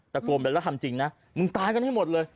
โกนไปแล้วทำจริงนะมึงตายกันให้หมดเลย